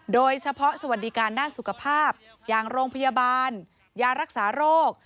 โดยเฉพาะสวัสดิการหน้าสุขภาพอย่างโรงพยาบาลยารักษาโรค